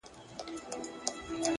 صدقه دې له ماشومو اداګانو